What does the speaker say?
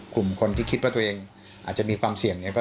คนที่คิดว่าตัวเองอาจจะมีความเสี่ยง